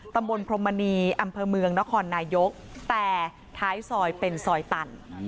พรมมณีอำเภอเมืองนครนายกแต่ท้ายซอยเป็นซอยตัน